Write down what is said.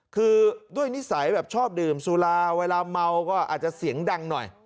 คือด้วยนิสัยแบบชอบดื่มสุราเวลาเมาก็อาจจะเสียงดังหน่อย